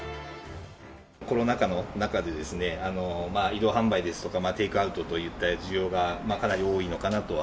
コロナ禍の中で、移動販売ですとか、テイクアウトといった需要がかなり多いのかなとは。